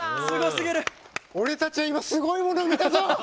俺たちは今すごいものを見たぞ！